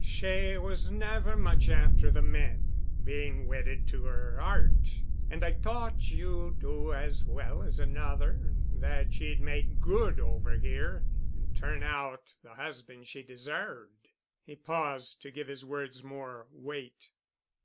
She was never much after the men, being wedded to her art, and I thought you'd do as well as another—that ye'd make good over here and turn out the husband she deserved." He paused to give his words more weight.